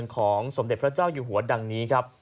ของสมเด็จพระเจ้าอยู่หัวดังนี้ครับ